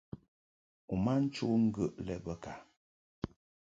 U ma nchɔʼ ŋgə lɛ bə ka ?